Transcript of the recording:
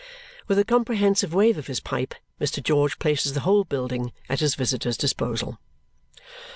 With a comprehensive wave of his pipe, Mr. George places the whole building at his visitor's disposal.